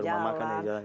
ada rumah makan ya